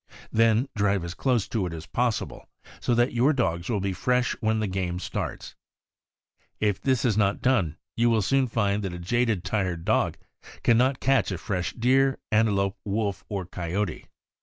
Then drive as close to it as possible, so that your dogs will be fresh when the game starts. If this is not done, you will soon find that a jaded, tired dog can not catch a fresh deer, antelope, wolf, or coyote.